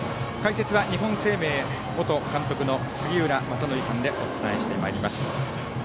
解説は日本生命元監督の杉浦正則さんでお伝えしてまいります。